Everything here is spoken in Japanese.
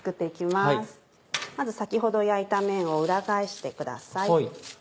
まず先ほど焼いた面を裏返してください。